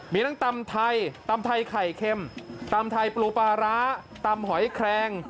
มีทั้งตำไทยตำไทยไข่เค็มตำไทยปูปลาร้าตำหอยแครง